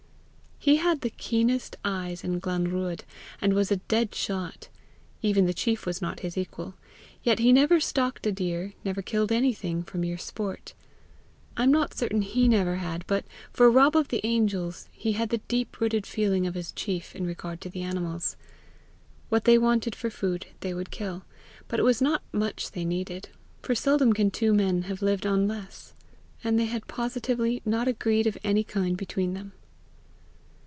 He had the keenest eyes in Glenruadh, and was a dead shot. Even the chief was not his equal. Yet he never stalked a deer, never killed anything, for mere sport. I am not certain he never had, but for Rob of the Angels, he had the deep rooted feeling of his chief in regard to the animals. What they wanted for food, they would kill; but it was not much they needed, for seldom can two men have lived on less, and they had positively not a greed of any kind between them.